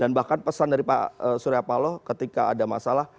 dan bahkan pesan dari pak suryapala ketika ada masalah